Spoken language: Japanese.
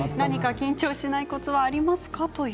緊張しないコツはありますか？